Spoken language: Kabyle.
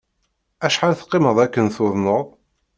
Acḥal teqqimeḍ akken tuḍneḍ?